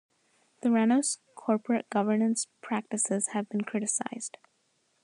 Theranos corporate governance practices have been criticized.